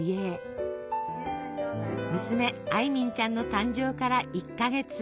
娘艾敏ちゃんの誕生から１か月。